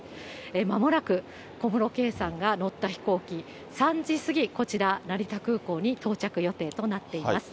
まもなく、小室圭さんが乗った飛行機、３時過ぎ、こちら、成田空港に到着予定となっています。